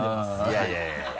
いやいやいや。